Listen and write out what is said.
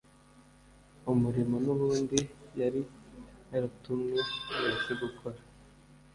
umurimo n’ubundi yari yaratumwe mu isi gukora